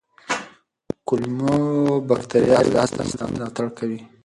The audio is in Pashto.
کولمو بکتریاوې د هضم سیستم ملاتړ کوي.